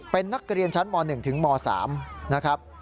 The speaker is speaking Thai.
เป็นนักเรียนชั้นม๑ถึงม๓นะครับ